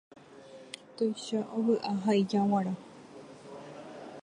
Tuichaite ovy'a ha ijaguara.